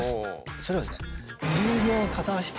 それはですね